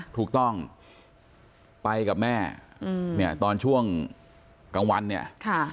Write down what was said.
ถูกต้องไปกับแม่อืมเนี่ยตอนช่วงกลางวันเนี่ยค่ะ